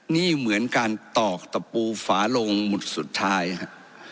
นี่เหมือนการตอกตะปูฝาลงหมุดสุดท้ายฮะ